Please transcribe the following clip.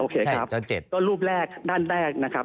ก็ลูกแรกด้านแรกนะครับ